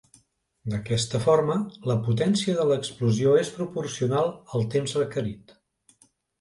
D'aquesta forma, la potència de l'explosió és proporcional al temps requerit.